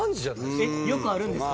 えっよくあるんですか？